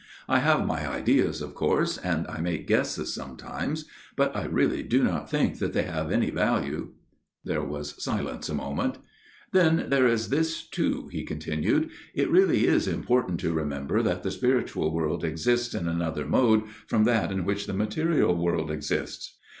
I have my ideas, of course, and I make guesses sometimes ; but I really do not think that they have any value." There was silence a moment. " Then there is this, too," he continued. " It really is important to remember that the spiritual PROLOGUE 11 world exists in another mode from that in which the material world exists.